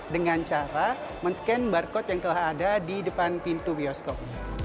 dengan cara men scan barcode yang telah ada di depan pintu bioskop